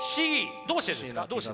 どうしてですか？